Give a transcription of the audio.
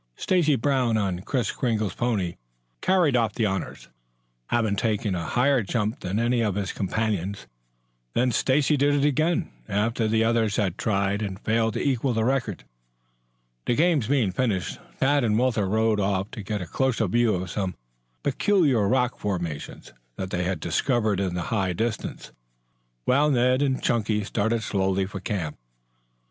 Stacy Brown on Kris Kringle's pony, carried off the honors, having taken a higher jump than did any of his companions. Then Stacy did it again, after the others had tried and failed to equal the record. The games being finished, Tad and Walter rode off to get a closer view of some peculiar rock formations that they had discovered in the high distance, while Ned and Chunky started slowly for the camp.